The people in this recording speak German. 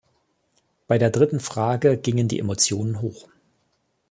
Bei der dritten Frage gingen die Emotionen hoch.